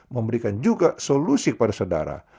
memberikan juga solusi kepada saudara